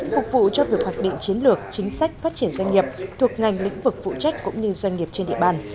phục vụ cho việc hoạch định chiến lược chính sách phát triển doanh nghiệp thuộc ngành lĩnh vực phụ trách cũng như doanh nghiệp trên địa bàn